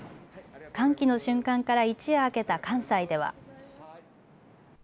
歓喜の瞬間から一夜明けた関西では。